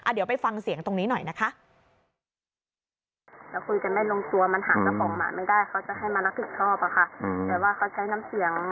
เดี๋ยวไปฟังเสียงตรงนี้หน่อยนะคะ